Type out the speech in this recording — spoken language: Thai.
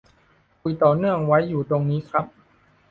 คุยต่อเนื่องไว้อยู่ตรงนี้ครับ